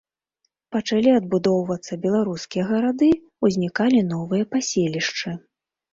Пачалі адбудоўвацца беларускія гарады, узнікалі новыя паселішчы.